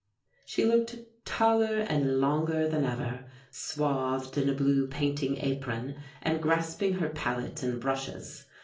She looked taller and longer than ever swathed in a blue painting apron and grasping her palette and brushes.